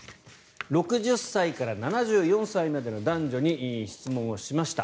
６０歳から７４歳までの男女に質問をしました。